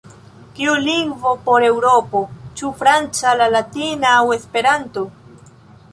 Kiu lingvo por Eŭropo: ĉu franca, la latina aŭ Esperanto?"“.